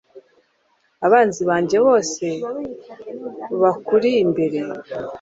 abanzi banjye bose bakuri imbere